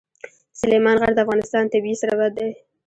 سلیمان غر د افغانستان طبعي ثروت دی.